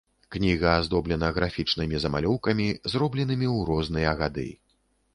Кніга аздоблена графічнымі замалёўкамі, зробленымі ў розныя гады.